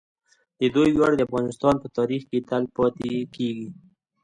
د دوی ویاړ د افغانستان په تاریخ کې تل پاتې کیږي.